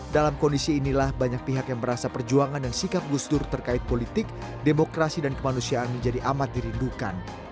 dalam kondisi inilah banyak pihak yang merasa perjuangan dan sikap gus dur terkait politik demokrasi dan kemanusiaan menjadi amat dirindukan